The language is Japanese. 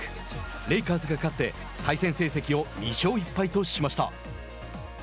レイカーズが勝って対戦成績を２勝１敗としました。